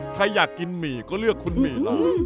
ใครอยากกินหมี่ก็เลือกคุณหมี่เลย